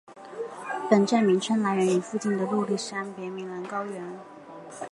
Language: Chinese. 本站名称来源于附近的入笠山的别名铃兰高原。